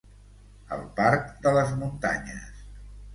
El part de les muntanyes.